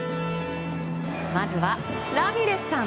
まずは、ラミレスさん。